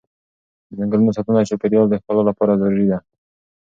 د ځنګلونو ساتنه د چاپېر یال د ښکلا لپاره ضروري ده.